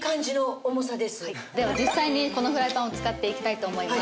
では実際にこのフライパンを使っていきたいと思います。